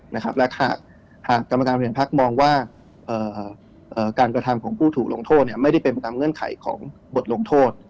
และหากกรรมการบริหารพักมองว่าการกระทำของผู้ถูกลงโทษเนี่ยไม่ได้เป็นไปตามเงื่อนไขของบทลงโทษ